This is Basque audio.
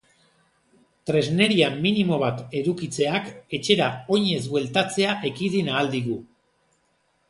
Tresneria minimo bat edukitzeak etxera oinez bueltatzea ekidin ahal digu.